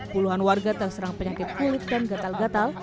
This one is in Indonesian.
puluhan warga terserang penyakit kulit dan gatal gatal